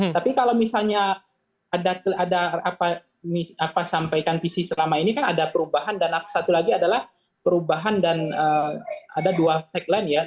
tapi kalau misalnya ada apa sampaikan visi selama ini kan ada perubahan dan satu lagi adalah perubahan dan ada dua tagline ya